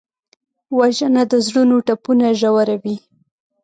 وژنه د زړونو ټپونه ژوروي